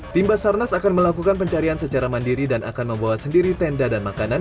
tim basarnas akan melakukan pencarian secara mandiri dan akan membawa sendiri tenda dan makanan